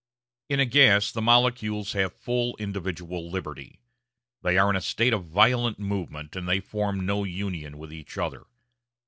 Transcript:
In a gas the molecules have full individual liberty. They are in a state of violent movement, and they form no union with each other.